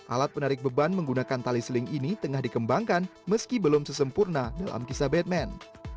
alat penarik beban menggunakan tali seling ini tengah dikembangkan meski belum sesempurna dalam kisah batman